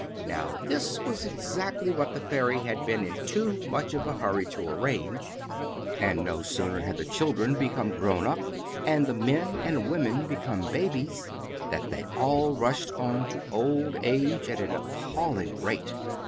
Now this was exactly what the fairy had been in too much of a hurry to arrange, and no sooner had the children become grown up, and the men and women become babies, than they all rushed on to old age at an appalling rate!